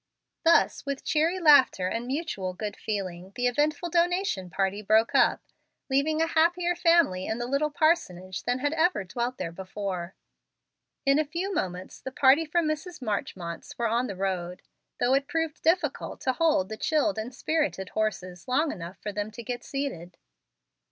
Thus, with cheery laughter and mutual good feeling, the eventful donation party broke up, leaving a happier family in the little parsonage than had ever dwelt there before. In a few moments the party from Mrs. Marchmont's were on the road, though it proved difficult to hold the chilled and spirited horses long enough for them to get seated.